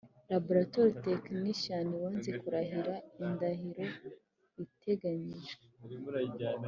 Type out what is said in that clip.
Laboratory Technician wanze kurahira indahiro iteganyijwe